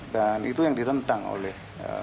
dan itu yang ditentang oleh